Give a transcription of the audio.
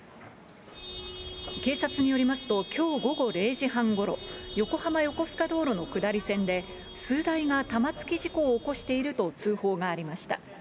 警察によりますと、きょう午後０時半ごろ、横浜横須賀道路の下り線で、数台が玉突き事故を起こしていると通報がありました。